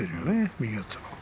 右四つの。